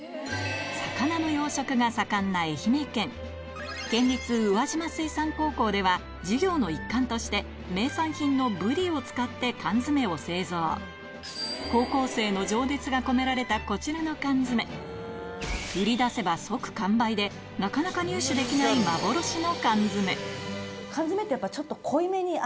魚の養殖が盛んな愛媛県県立宇和島水産高校では授業の一環として名産品のブリを使って缶詰を製造高校生の情熱が込められたこちらの缶詰売り出せば即完売でなかなか入手できない鼻濁音。